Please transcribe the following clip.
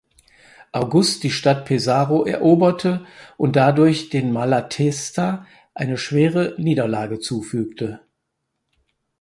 August die Stadt Pesaro eroberte und dadurch den Malatesta eine schwere Niederlage zufügte.